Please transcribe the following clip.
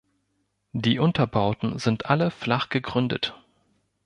Die Unterbauten sind alle flach gegründet.